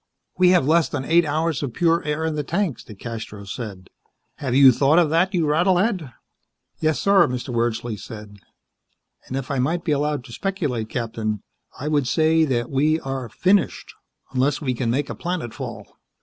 "We have less than eight hours of pure air in the tanks," DeCastros said. "Have you thought of that, you rattle head?" "Yes, sir," Mr. Wordsley said. "And if I might be allowed to speculate, Captain, I would say that we are finished unless we can make a planetfall.